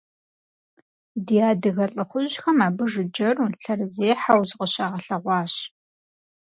Ди адыгэ лӏыхъужьхэм абы жыджэру, лъэрызехьэу зыкъыщагъэлъэгъуащ.